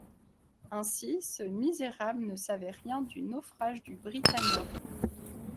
Ainsi, ce misérable ne savait rien du naufrage du Britannia.